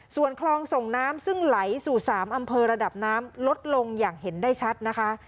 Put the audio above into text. ส่วนคลองส่งน้ำซึ่งไหลสู่๓อำเภอระดับน้ำลดลงอย่างเห็นได้ชัดนะคะ